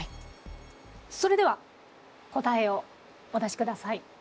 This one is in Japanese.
それでは答えをお出しください。